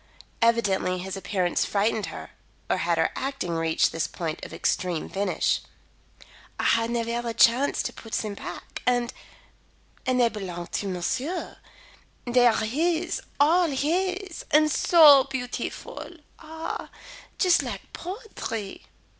Evidently his appearance frightened her or had her acting reached this point of extreme finish? "I had nevaire the chance to put them back. And and they belong to monsieur. They are his all his and so beautiful! Ah, just like poetry."